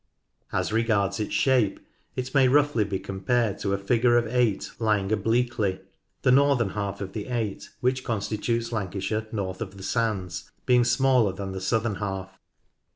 As regards its shape, it may be roughly compared to a figure of eight lying obliquely thus <2>, th e northern half of the eight, which constitutes Lancashire north of the sands, being smaller than the southern half.